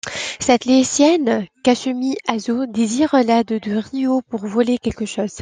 Cette lycéenne, Kasumi Asô, désire l'aide de Ryô pour voler quelque chose.